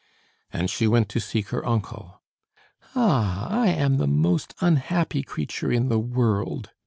And she went to seek her uncle. "Ah, I am the most unhappy creature in the world!"